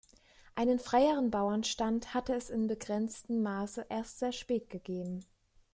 Einen freien Bauernstand hatte es in begrenzten Maße erst sehr spät gegeben.